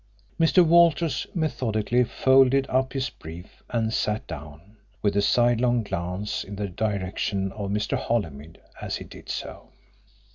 Mr. Walters methodically folded up his brief and sat down, with a sidelong glance in the direction of Mr. Holymead as he did so.